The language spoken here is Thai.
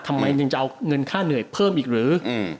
ทำไมถึงจะเอาเงินค่าเหนื่อยเพิ่มอีกหรือ